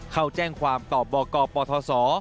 เขาแจ้งความตอบบอกกบศ